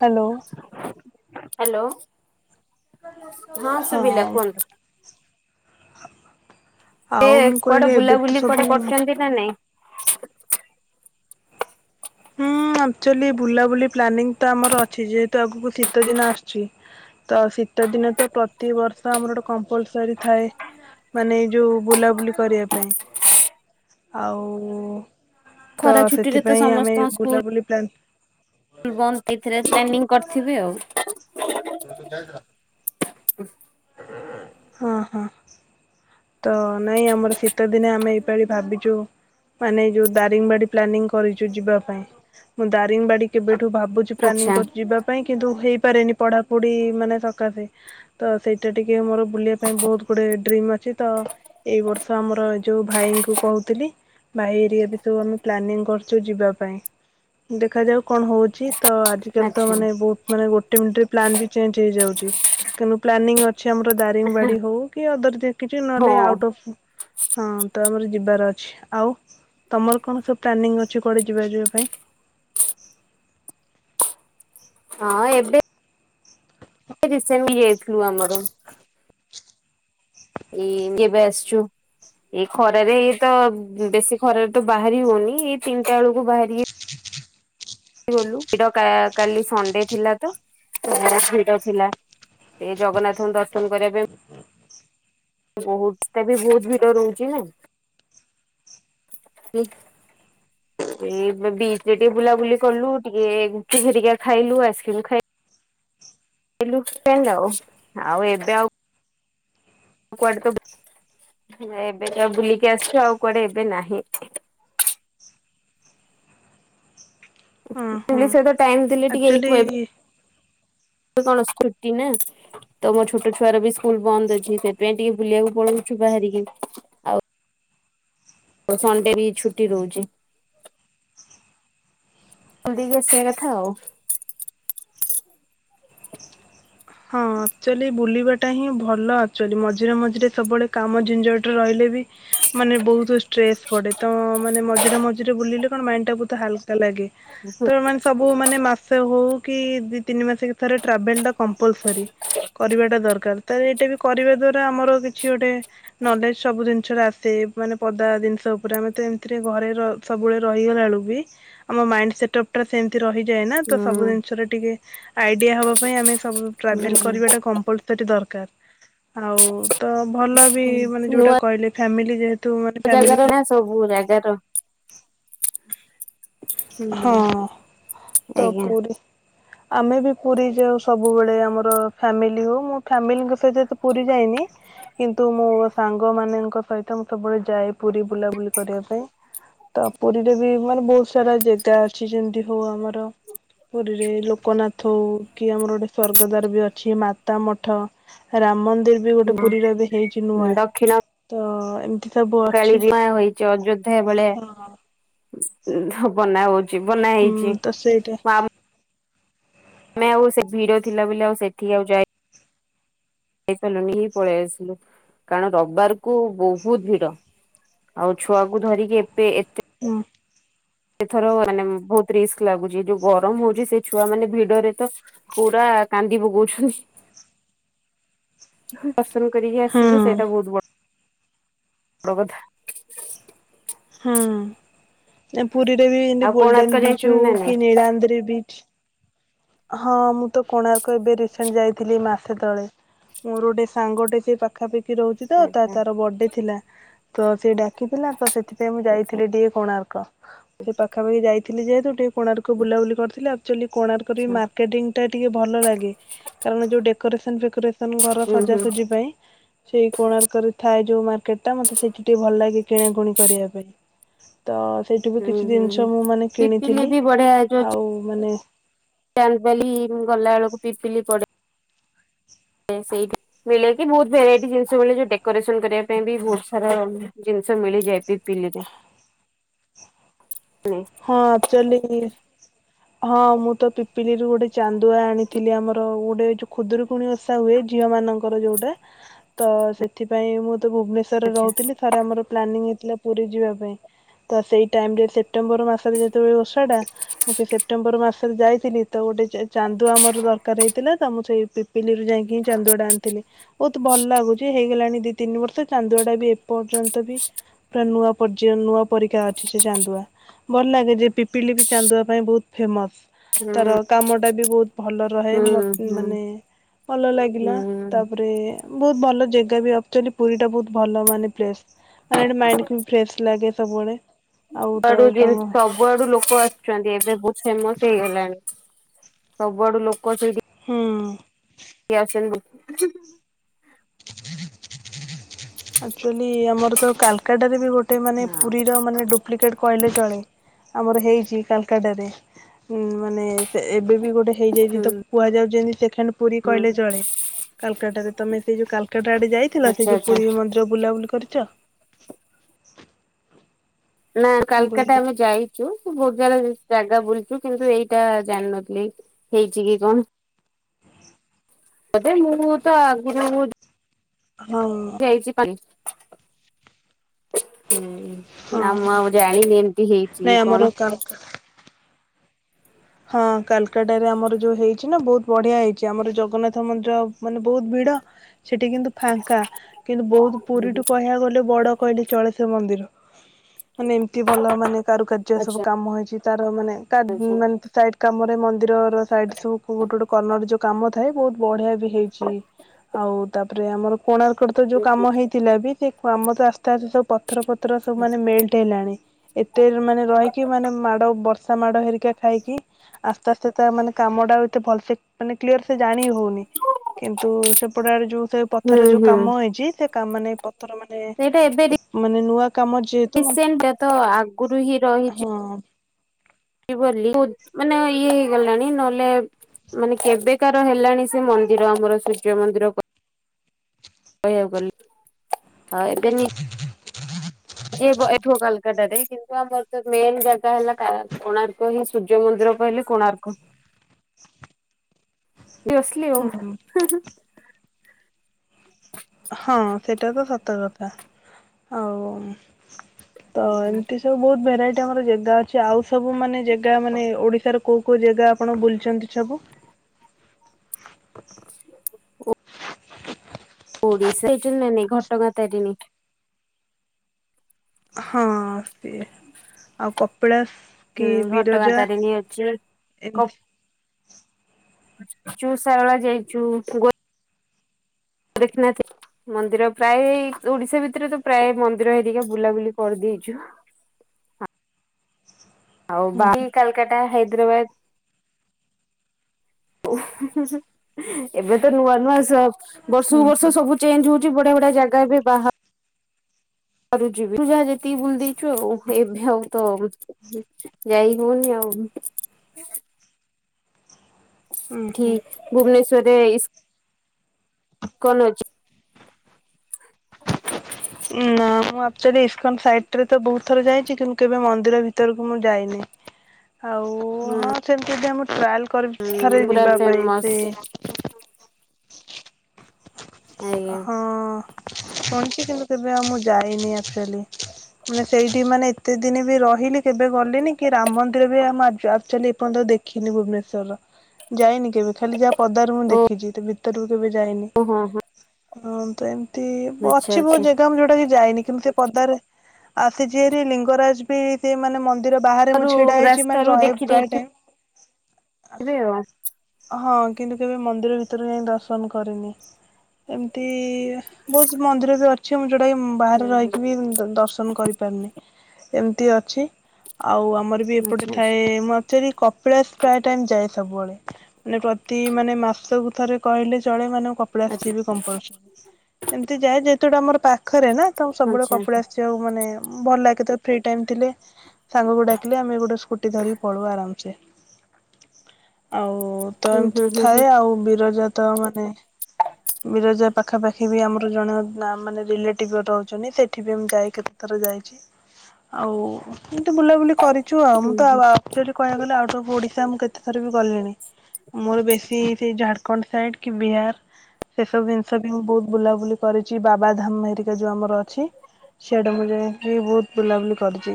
Hello. Hello ହଁ ଶୁଭିଲା କୁହନ୍ତୁ [unintelligible] ସେ ଆଉ ମୁଁ କୁଆଡେ କହିଲି ଏବେ ତ ବୁଲାବୁଲି ସବୁ କୁଆଡେ କରଛନ୍ତି ନା ନାଇଁ [unintelligible] ହୁଁ ଆକ୍ଚୁଆଲି ବୁଲାବୁଲି ପ୍ଲାନିଂ ତ ଆମର ଅଛି ଯେହେତୁ ଆଗକୁ ଶୀତ ଦିନ ଆସୁଛି ତ ଶୀତ ଦିନ ତ ପ୍ରତି ବର୍ଷ ଆମର ଗୋଟେ କମ୍ପଲସରୀ ଥାଏ ମାନେ ଏଇ ଯୋଉ ବୁଲାବୁଲି କରିବା ପାଇଁ ଆଉ ତ ଖରା ଛୁଟି ରେ ତ ସେଥିପାଇଁ ଆମେ ସମସ୍ତଙ୍କ ବୁଲାବୁଲି ପ୍ଲାନ୍ ସ୍କୁଲ ବନ୍ଦ ସେଇଥିରେ ସ୍ପେଣ୍ଡିଙ୍ଗ କରିଥିବେ ଆଉ [unintelligible] ଯାଇଥିଲା ଉଃ ହଁ ହଁ ତ ନାଇଁ ଆମର ଶୀତ ଦିନେ ଆମେ ଏଇପାଳି ଭାବିଛୁ ମାନେ ଯୋଉ ଦାରିଙ୍ଗ ବାଡି ପ୍ଲାନିଙ୍ଗ କରିଛୁ ଯିବା ପାଇଁ ମୁଁ ଦାରିଙ୍ଗ ବାଡି କେବେ ଭାବୁଛି ପ୍ଲାନିଂ ଆଚ୍ଛା କରୁଚୁ ଯିବା ପାଇଁ କିନ୍ତୁ ହେଇ ପାରେନି ପଢାପଢି ମାନେ ସକାଶେ ତ ସେଇଟା ଟିକେ ମୋର ବୁଲିବା ପାଇଁ ବହୁତ ଗୁଟେ ଡ୍ରିମ ଅଛି ତ ଏଇ ବର୍ଷ ଆମର ଯୋଉ ଭାଇଙ୍କୁ କହୁଥିଲି ଭାଇ ଏରିଆ ବି ସବୁ ଆମେ ପ୍ଲାନିଂ କରଛୁ ଯିବା ପାଇଁ ଦେଖାଯାଉ। କଣ ହଉଛି ତ ଆଜିିକାଲି ତ ଆଚ୍ଛା ମାନେ ବହୁତ ମାନେ ଗୋଟେ ମିନିଟରେ ପ୍ଲାନ ବି ଚେଞ୍ଜ ହେଇଯାଉଛି। ବୁ ପ୍ଲାନିଙ୍ଗ ଅଛି ଆମର ଦାରିଙ୍ଗ ବାଡି ହଉ କି ଅଦର କିଛି ହଁ ନହଲେ ଆଉଟଫ୍ ହଁ ତା ପରେ ଯିବାର ଅଛି ଆଉ ତମର କଣ ସବୁ ପ୍ଲାନିଂ ଅଛି କୁଆଡେ ଯିବା ଯିବି ପାଇଁ ହଁ ଏବେ ବେ ରିସେଣ୍ଟଲି ଯାଇଥିଲୁ ଆମର ଇ ଏବେ ଆସିଛୁ ଏଇ ଖରାରେ ଇଏ ତ ବେଶୀ ଖରାରେ ତ ବାହାରି ହଉନି ଏଇ ତିନିଟା ବେଳକୁ ବାହାରି ଗଲୁ ଡ କାଲି ସଣ୍ଡେ ଥିଲା ତ ଭିଡ ଥିଲା ସେ ଜଗନ୍ନାଥଙ୍କୁ ଦର୍ଶନ କରିବା ପାଇଁ ବହୁତ ଟା ବି ବହୁତ ଭିଡ ରହୁଛି ନା [unintelligible] ଏଇ ବ ବିଚ ଯେ ଟିକେ ବୁଲାବୁଲି କଲୁ ଟିକେ ଗୁପଚୁପ ଘରିକା ଖାଇଲୁ ଆଇସ୍କ୍ରିମ ଖାଇଲୁ ପିଲୁ ଏମତି ଆଉ ଏବେ ଆଉ ଆଉ କୁଆଡେ ତ ଏବେ ତ ବୁଲିକି ଆସିଛ ଆଉ କୁଆଡେ ଏବେ ନାହିଁ ହଁ ହଁ ଲି ସହିତ ଟାଇମ୍ ଦେଲେ ଟିକେ ଆକ୍ଚୁଆଲି ଇକୱେବ କଣ ସ୍କୁଟି ନା ତ ମୋ ଛୋଟ ଛୁଆର ବି ସ୍କୁଲ ବନ୍ଦ ଅଛି ସେଥିପାଇଁ ଟିକେ ବୁଲିବାକୁ ପଳଉଛୁ ବାହାରିକି ଆଉ ଆଉ ସଣ୍ଡେ ବି ଛୁଟି ରହୁଛି ବୁଲିଦେଇକି ଆସିବା କଥା ଆଉ ହଁ ଆକ୍ଚୁଆଲି ବୁଲିବାଟା ହିଁ ଭଲ ଆକଚୁଆଲି ମଝିରେ ମଝିରେ ସବୁବେଳେ କାମ ଝିନଝଟ ରହିଲେ ବି ମାନେ ବହୁତ ଷ୍ଟ୍ରେସ୍ ପଡେ, ତ ମାନେ ମଝିରେ ମଝିରେ ବୁଲିଲେ କଣ ମାଇଣ୍ଡ ଟା ବୋହୁତ୍ ହାଲ କା ଲାଗେ। ହୁଁ ତ ମାନେ ସବୁ ମାନେ ମାସେ ହଉ କି ଦି ତିନି ମାସ ଥରେ ଟ୍ରାଭେଲ ଟା କମ୍ପଲସରି। କରିବାଟା ଦରକାର। ତାର ଏଇଟା ବି କରିବା ଦ୍ୱାରା ଆମର କିଛି ଗୋଟେ ନଲେଜ ସବୁ ଜିନିଷ ରେ ଆସେ। ମାନେ ପଦାର ଜିନିଷ ଉପରେ। ଆମେ ତ ଏମିତିରେ ଘରେ ର ସବୁବେଳେ ରହିଗଲାରୁ ବି? ଆମ ମାଇଣ୍ଡ ସେଟ୍ଅପ୍ ଟା ସେମ ରହିଯାଏ ନା? ତ ସବୁ ଜିନିଷରେ ଟିକେ ଆଇଡିଆ ହବା ପାଇଁ ଆମେ ସବୁ ଟ୍ରାଭେଲ କରିବା ଟା କମ୍ପଲସରି ଦରକାର। ଆଉ ତ ଭଲ ବି ମାନେ ଯୋଉଟା ନୂଆ କହିଲେ ଫ୍ୟାମିଲି ଯେହେତୁ ମାନେ ଫ୍ୟାମିଲି ଜାଗାର ସହିତ ନା ସବୁ ଜାଗାର ହଁ ହୁଁ ତ ଆଜ୍ଞା। ପୁରୀ ଆମେ ବି ପୁରୀ ଯାଉ ସବୁବେଳେ। ଆମ ଆମର ଫ୍ୟାମିଲି ହଉ ମୁଁ ଫ୍ୟାମିଲି ସେତେ ପୁରୀ ଯାଇନି କିନ୍ତୁ ମୁଁ ସାଙ୍ଗମାନଙ୍କ ସହିତ ମୁଁ ସବୁବେଳେ ଯାଏ ପୁରୀ ବୁଲାବୁଲି କରିବାକୁ। ତ ପୁରୀରେ ବି ମାନେ ବହୁତ ସାରା ଯେଗା ଅଛି ଯେମିତି ହଉ ଆମ ପୁରୀରେ ଲୋକନାଥ, ଥଉ କି ଆମର ଗୋଟେ ସ୍ଵର୍ଗ ଦ୍ଵାର ଅଛି, ମାତା ମଠ, ରାମ ମନ୍ଦ ବି ଗୋଟେ ପୁରୀର ବି ହେଇଛି ନୂଆ। ତ ଏମିତି ସବୁ କାଳ ଅଛି ବିମା [unintelligible] ହେଇଛି ଅଯୋଧ୍ୟା ବଳେଆ ହଁ ଉମ୍ ହବ [unintelligible] ବନା ହଉଛି ବନା ହୁଁ ହେଇଛି। ତ ସେଇଟା ଆ ତମେ ଆଉ ସେ ଭିଡ଼ ଥିଲା ବୋଲି ଆଉ ସେଠି ଆଉ ଯାଇ ଯାଇ ପାରିଲୁନି ପଳେଇ ଆସିଲୁ। କାରଣ ରବିବାର ବି ବହୁତ ଭିଡ ଆଉ ଛୁଆକୁ ଧରିକି ଏତେ ହଁ ସେଥର ମାନେ ବହୁତ ରିସ୍କ ଲାଗୁଛି। ଯୋଉ ଗରମ ହଉଛି ସେ ଛୁଆ ମାନେ ଭିଡରେ ତ ପୁରା କାନ୍ଦି ପକଉଛନ୍ତି। ହଁ ପସନ୍ଦ କରିକି ଆସିଲୁ ହୁଁ ସେଇଟା ବହୁ ବଡ। [unintelligible] ହଁ ପୁରୀରେ ବି ଏତି ଆଉ କୋଣାର୍କ ଗୋଲ୍ଡେନ ବିଚ୍ ଯାଇଛନ୍ତି ହଉ ନା ନାଇଁ? କି ନୀଳାନ୍ଦରି ବିଚ? ହଁ ମୁଁ ତ କୋଣାର୍କ ଏବେ ରିସେଣ୍ଟ ଯାଇଥିଲି ମାସେ ତଳେ। ମୋର ଗୋଟେ ସାଙ୍ଗଟେ ସେ ପାଖାପାଖି ରହୁଛି ତ। ତା ଆଚ୍ଛା ତାର ବର୍ଥଡେ ଥିଲା ତ ସେ ଡାକିଥିଲା ତ ସେଥିପାଇଁ ମୁଁ ଯାଇଥିଲି ଏ କୋଣାର୍କ। ସେ ପାଖାପାଖି ଯାଇ ଦେଖିଲି [unintelligible] କୋଣାର୍କ ବୁଲାବୁଲି କରିଥିଲେ ଆଉ [unintelligible] ତାଙ୍କର ବି ଆଚ୍ଛା ମାର୍କେଟିଙ୍ଗ ଟା ଟିକେ ଭଲ ଲାଗେ କାରଣ ଯୋଉ ଡେକରେସନ ଫେକୋରେଶନ ଘର ହୁଁ ହୁଁ ସଜାସଜି ପାଇଁ ସେଇ କୋଣାର୍କରୁ ଥାଏ ଯୋଉ ମାର୍କେଟ ଟା ମତେ ସେଇଠି ଟିକେ ଭଲ ଲାଗେ କିଣାକୁଣି କରିବା ପାଇଁ। ତ ସେଇଠିକୁ ହୁଁ କିଛି ହୁଁ ଜିନିଷ ମୁଁ ମାନେ ପିପିଲି କିଣିଥିଲି ବି ବଢିଆ ଯୋଉ ଆଉ ମାନେ ଚାନ୍ଦବାଲି ଗଲା ବେଳକୁ ପିପିଲି ପଡେ ସେଇଠି ମିଳେ କିି ବହୁତ ଭେରାଇଟି ଜିନିଷ ମିଳେ ଯୋଉ ଡେକୋରେସନ କରିବା ପାଇଁ ବି ବହୁତ ସାରା ଜିନିଷ ମିଳିଯାଏ ପିପିଲିରେ। ନାଇଁ। ହଁ ଆକଚୁଆଲି ହଁ ମୁଁ ତ ପିପିଲିରୁ ଗୋଟେ ଚାନ୍ଦୁଆ ଆଣିଥିଲି ଆମର ଗୋଟେ ଯୋଉ ଖୁଦୁରୁକୁଣି ଓଷା ହୁଏ ଝିଅ ମାନଙ୍କର ଯୋଉଟା ତ ସେଥିପାଇଁ ମୁଁ ତ ଭୁବନେଶ୍ୱରରେ ଆଚ୍ଛା ରହୁଥିଲି ଥରେ ଆମର ପ୍ଲାନିଂ ହେଇଥିଲା ପୁରୀ ଯିବା ପାଇଁ ତ ସେଇ ଟାଇମ ରେ ସେପ୍ଟେମ୍ବର ମାସ ଥରେ ଯାଇ ଯେତେବେଳେ ଓଷା ଟା ମୁଁ ସେଇ ସେପ୍ଟେମ୍ବର ମାସ ଯାଇଥିଲି ତ ଗୋଟେ ଚାନ୍ଦୁଆ ଆମର ଦରକାର ହେଇଥିଲା ତ ମୁଁ ସେଇ ପିପିଲିରୁ ଯାଇକି ହିଁ ଚାନ୍ଦୁଆଟା ଆଣିଥିଲି। ବହୁତ ଭଲ ଲାଗୁଛି ହେଇଗଲାଣି ଦି ତିନି ବର୍ଷ ଚାନ୍ଦୁଆ ଟା ବି ଏପର୍ଯ୍ୟନ୍ତ ବି ପୁରା ନୂଆ ପର୍ ନୂଆ ପରିକା ଅଛି ସେ ଚାନ୍ଦୁଆ। ଭଲ ଲାଗେ ଯେ ପିପିଲି ବି ଚାନ୍ଦୁଆ ପାଇଁ ବହୁତ ଫେମସ। ତାର ହୁଁ କାମ ଟା ବି ବହୁତ ଭଲ ରହେ ହୁଁ ମତ ହୁଁ ମାନେ ଭଲ ଲାଗିଲା ହୁଁ। ତାପରେ ବହୁତ ଭଲ ଜାଗା ବି ଅକ୍ଚୁଆଲି ପୁରୀ ଟା ବହୁତ ଭଲ ମାନେ ପ୍ଲେସ୍। ମାନେ ଗୋଟେ ମାଇଣ୍ଡକୁ ବି ଫ୍ରେଶସ୍ ଲାଗେ ସବୁବେଳେ। ଆଉ ତ ସବୁଆଡୁ ତାଙ୍କ ସବୁଆଡୁ ଲୋକ ଆସୁଛନ୍ତି ଏବେ ବହୁତ ଫେମସ୍ ହେଇଗଲାଣି ସବୁଆଡୁ ଲୋକ ସେଇଠି ହଁ କିଏ ଆସୁଛନ୍ତି ଆଚ୍ଛା ଆକଚୁଆଲି ଆମର ତ କାଲକାଟାରେ ବି ଗୋଟେ ମାନେ ହଁ ପୁରୀର ମାନେ ଡୁପ୍ଲିକେଟ କହିଲେ ଚଳେ ଆମର ହେଇଛି କାଲକାଟାରେ ଉ ମାନେ ସେ ଏବେ ବି ଗୋଟେ ହେଇଯାଇଛି ତାକୁ ହୁଁ। କୁହାଯାଉଛି। ସେ ଖାଲି ପୁରୀ ହୁଁ କହିଲେ ଚଳେ କାଲକାଟାରେ ତମେ ସେଇ ଯୋଉ କାଲକାଟା ଆଡେ ଯାଇଥିଲା ସେଇ ଆଚ୍ଛା ଯୋଉ ଆଚ୍ଛା ପୁରୀ ମନ୍ଦିର ବୁଲାବୁଲି କରିଚ? ନାଁ ମୁଁ କହିଲି କାଲକାଟା ଆମେ ଯାଇଚୁ ବୋହୁତ ଜାଗା ଜାଗା ବୁଲଚୁ କିନ୍ତୁ ଏଇଟା ଜାଣିନଥିଲି ହେଇଚି କି କଣ। ଆଦେ ମୁଁ ତ ଆଗୁରୁ ହଁ ହେଇଚି ପାଣି [inaudible] ହୁଁ ହଁ ନାଁ ମୁଁ ହଁ ଆଉ ଜାଣିନି ଏମତି ହେଇଚି ନାଇଁ କି ଆମର କଣ? କାଲକା ହଁ କାଲକାଟାରେ ଆମର ଯୋଉ ହେଇଚି ନାଁ ବୋହୁତ ବଢ଼ିଆ ହେଇଚି। ଆମର ଜଗନ୍ନାଥ ମନ୍ଦିର ମାନେ ବୋହୁତ ଭିଡ଼ ସେଠି କିନ୍ତୁ ଫାଙ୍କା କିନ୍ତୁ ବୋହୁତ ପୁରୀଠୁ କହିବାକୁ ଗଲେ ବଡ଼ କହିଲି ଚଳେ ସେ ମନ୍ଦିର। ମାନେ ଏମତି ଭଲ ମାନେ କାରୁକାର୍ଯ୍ୟ ସବୁ ଆଚ୍ଛା କାମ ହେଇଚି। ଳତାର ମାନେ କା ଆଚ୍ଛା। ମା କମରେ ମନ୍ଦିର [unintelligible] ସାଇଟ୍ ସବୁ କୋଉ ଗୋଟେ ଗୋଟ କର୍ଣ୍ଣର ଯୋଉ କାମ ଥାଏ ବୋହୁତ ବଢ଼ିଆ ବି ହେଇଚି ଆଉ ତାପରେ ଆମର କୋଣାର୍କରେ ତ ଯୋଉ କାମ ହେଇଥିଲା ବି ଏ କାମକୁ ଆସ୍ତେ ଆସ୍ତେ ସବୁ ପା ପଥର ଫଥର ସବୁ ମାନେ ମେଲ୍ଟ ହେଲାଣି ଏତେ ମାନେ ରହିକି ମାନେ ମାଡ଼ ବର୍ ସା ମାଡ଼ ହେରିକା ଖାଇକି ଆସ୍ତେ ଆସ୍ତେ ତା ମାନେ କାମଟା ଏତେ ଭଲସେ ମାନେ କ୍ଲିଅରସେ ଜାଣି ହ ହୋଉନି କିନ୍ତୁ ସେପଟ ଆଡେ ଯୋଉ ସେ ହୁଁ ପଥରରେ ଯୋଉ ହୁଁ କାମ ହେଇଚି ସେ କାମ ନାଇଁ ପ ଥର ମାନେ ମାନେ ନୂଆ କାମ ଯେହେତୁ ମାନେ ଇସେନଟା ତ ଆଗୁରୁ ହିଁ ରହିଚି ହଁ ଇ ବୋଲି ଉ ମାନେ ଇଏ ହେଇଗଲାଣି ନଲେ ମାନେ କେବେକାର ହେଲାଣି ସେ ମନ୍ଦିର ଆମର ସୂର୍ଯ୍ୟ ମନ୍ଦିର କହିବାକୁ ଗଲେ ହଁ ଏବେ ନି ଯେ ବ ଏଠୁ ଅ କାଲକାଟାରେ କିନ୍ତୁ ଆମର ତ ମେନ୍ ଜାଗା ହେଲା କା କୋଣାର୍କ ହିଁ ସୂର୍ଯ୍ୟ ମନ୍ଦିର କହିଲେ କୋଣାର୍କ। ଡି ଅସଲି ଆଉ। ହୁଁ ହଁ ସେଟା ତ ସତ କଥା। ଆଉ ତ ଆଉ। ଏମତି ସବୁ ବୋହୁତ ଭେରାଇ ଏଠି ଆମର ଜେଗା ଅଛି ଆଉ ସବୁ ମାନେ ଜେ ଗା ମାନେ ଓଡ଼ିଶାର କୋଉ କୋଉ ଜାଗା ଆପଣ ବୁଲଛନ୍ତି ସବୁ [inaudible] ଓଡିଶା ଜିଲ୍ଲା ନାଇଁ ଘଟଗାଁ ତାରିଣୀ ହଁ ଇଏ ଆଉ କ ପଲାସ ହୁଁ ଘଟଗାଁ ତାରିଣୀ ଅଛି କ ଏମିତି ଚୁ ସାରଳା ଯାଇଛୁ ଗୋ ଗୋଖନାଥ ମନ୍ଦିର ପ୍ରାୟ ଓଡିଶା ଭିତରେ ତ ପ୍ରାୟ ମନ୍ଦିର ହେଇରିକା ବୁଲାବୁଲି କରିଦେଇଛୁ ଆଉ ହୁଁ ବା ହୁଁ କାଲକାଟା ହାଇ ହାଇଦ୍ରାବାଦ ଉଃ ଏବେ ତ ନୁଆ ନୂଆ ସ ବର୍ଷକୁୁ ହୁଁ ବର୍ଷ ହୁଁ ସବୁ ଚେଞ୍ଜ ହଉ ବଢିଆ ବଡ଼ିଆ ଜାଗା ବି ବା ବାହାରୁଛି ତୁ ଯା ଯେତିକି ବୁଲି ଦେଇଛୁ ଆଉ ଏବେ ଆଉ ତ ଯାଇ ହଉନି ଆଉ ହୁଁ ଠିକ ହୁଁ ଭୁବନେସ୍ଵର [unintelligible] କନଅଛି ନା ମୁଁ ଆକ୍ଚୁଆଲି ଇସକନ ସାଇଟରେ ତ ବହୁତ ଥର ଯାଇଛି କିନ୍ତୁ କେବେ ମନ୍ଦିର ଭିତରକୁ ମୁଁ ଯାଇନି ଆଉ ହଁ ସେମିତି ଯଦି ଆମ ଟ୍ରାଏଲ କରି ହୁଁ ଥରେ ପୁରା ଯିବା ପାଇଁ ଫେମସ ସେ ଆଜ୍ଞା। ହଁ [unintelligible] କି କିନ୍ତୁ କେବେ ଆଉ ମୁଁ ଯାଇନି ଆଚୁଆଲି ମାନେ ସେଇଠି ମାନେ ଏତେ ଦିନ ବି ରହିଲି। କେବେ ଗଲିନି କି ରାମ ମନ୍ଦିର ବି ଆ ଏପର୍ଯ୍ୟନ୍ତ ଦେଖିନି ଭୁବନେଶ୍ୱର ର ଯାଇନି କେବେ ଖାଲି ଯାହା ପଦାରୁ ମୁଁ ଓହୋ ଦେଖିଛି ତୁ ଭିତରରୁ କେବେ ଯାାଇନି ହୋ ହଁ ତ ଆଚ୍ଛା କଉ ଆଚ୍ଛା ଜେଗା ମୁଁ ଯଉଟା କି ଯାଇନି କିନ୍ତୁ ସେ ପଦାରେ ଆସି ଯିଏରି ଲିଙ୍ଗରାଜ ବି ସେଏ ମାନେ ମ ନ୍ଦିର ବାହାରେ ମୁଁ ରୁ ଛିଡା ହେଇଛି ମାନେ ରାସ୍ତାରୁ ରହେ ଦେଖି ପ୍ରାୟ ଟାଇମ୍ ଦେଇଥିବେ ଆଉ। ହଁ କିନ୍ତୁ କେବେ ମନ୍ଦିର ଭିତରୁ ଯାଇ ଦର୍ଶନ କରିନି ଏମିତି ବହୁତ ମନ୍ଦିର ଅଛି ସେଟାବି। ହୁଁ ବାହାରେ ହୁଁ ରହିକି ଦର୍ଶନ କରି ପାରୁନି ଏମିତି ଅଛି ଆଉ ଆ ମୋର ବି ଏପଟେ ଆଚ୍ଛା ଥାଏ--ମୁଁ ଆକଚୁଇଲି କପିଳାସ ପ୍ରାୟ ଟାଇମ ଯାଏ ସବୁବେଳେ ମାନେ ପ୍ରତି ମାନେ ମାସକୁ ଥରେ କହିଲେ ଚଳେ ମାନଙ୍କ କପଡା ଆଚ୍ଛା [unintelligible] ଏମିତି ଯାଏ ସେଟା ଆମର ପାଖରେ ନା ତ ସବୁବେଳେ ଆଚ୍ଛା ଆଚ୍ଛା କପିଲାସ ଯାଉ ମାନେ ଭଲ ଲାଗେ ତ ଫ୍ରି ଟାଇମ ଥିଲେ ସାଙ୍ଗକୁ ଡକିଲେ ଆମେ ଗୋଟେ ସ୍କୁଟି ଧରିକି ପଳୁ ଆରାମସେ ଆଉ ମୁଁ ତ ହୁଁ ଏମିତି ହୁଁ ହୁଁ ଥାଏ ହୁଁ ଆଉ ମିରରରେ ତ ମାନେ ବିରଜା ପାଖାପାଖି ବି ଆମର ଜଣେ ନା ମାନେ ରିଲେଟିଭ ରହୁଛନ୍ତି ସେଠି ବି ମୁ ଯାଇ କେତେଥର ଯାଇଛି ଆଉ ଏତେ ବୁଲାବୁଲି କରିଚୁ ଆଉ ମୁଁ ହୁଁ ତ ହୁଁ ଯଦି କହିବାକୁ ଗଲେ ଆଉଟ ଅଫ୍ ଓଡିଶା ମୁଁ କେତେ ଥର ବି ଗଲିଣି ମୋର ବେଶୀ ସେଇ ଝାଡଖଣ୍ଡ ସାଇଡ କି ବିହାର ସେସବୁ ଜିନିଷ ବି ମୁଁ ବହୁତ ବୁଲାବୁଲି କରିଛି ଛି ବାବାଧାମ ହେରିକା ଯେଉଁ ଆମର ଅଛି ସେଆଟା ମୁଁ ଯାଇକି ବହୁତ ବୁଲାବୁଲି କରିଛି,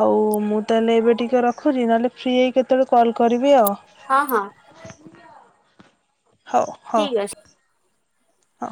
ଆଉ ମୁଁ ତାହେଲେ ଏବେ ଟିକେ ରଖୁଛି ନହେଲେ ଫ୍ରି ହେଇ କେତେବେଳେ କଲ୍ କରିବି ଆଉ ହଁ ହଁ ହଉ ହଁ ଠିକ ଅଛି। ହଁ